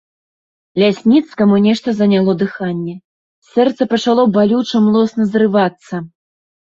Лясніцкаму нешта заняло дыханне, сэрца пачало балюча млосна зрывацца.